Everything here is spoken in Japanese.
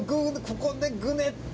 ここでぐねって。